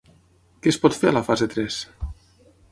Què es pot fer a la fase tres?